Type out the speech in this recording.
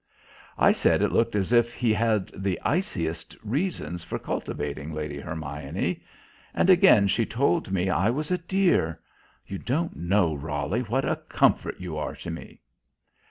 I said it looked as if he had the iciest reasons for cultivating Lady Hermione. And again she told me I was a dear. "You don't know, Roly, what a comfort you are to me."